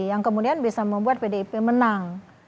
yang kemudian bisa membuat pdip menang